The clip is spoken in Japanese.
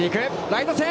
ライト線！